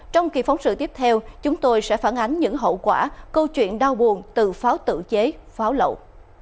trong kỳ phóng sự tiếp theo chúng tôi sẽ phản ánh những hậu quả câu chuyện đau buồn từ pháo tự chế pháo lậu